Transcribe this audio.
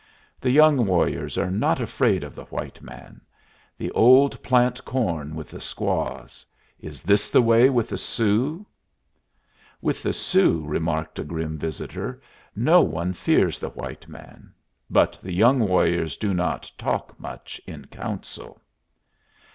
The young warriors are not afraid of the white man. The old plant corn with the squaws. Is this the way with the Sioux?" "With the Sioux," remarked a grim visitor, "no one fears the white man. But the young warriors do not talk much in council."